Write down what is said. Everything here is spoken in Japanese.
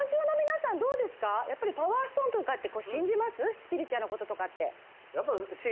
スピリチュアルなこととかって？